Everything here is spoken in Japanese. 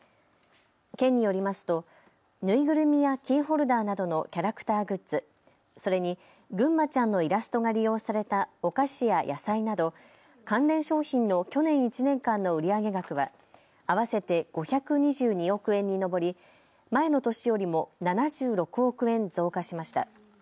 県によりますと縫いぐるみやキーホルダーなどのキャラクターグッズ、それにぐんまちゃんのイラストが利用されたお菓子や野菜など関連商品の去年１年間の売り上げ額は合わせて５２２億円に上り前の年よりも７６億円増加しました。